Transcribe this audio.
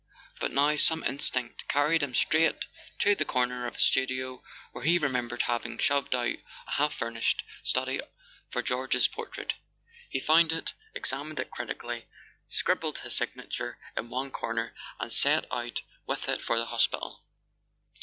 But now some instinct carried him straight to the corner of his studio where he remembered having shoved out of sight a half finished study for George's portrait. He found it, examined it critically, scribbled his signature in one corner, and set out with it for the hospital.